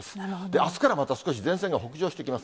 あすからまた前線が少し北上してきます。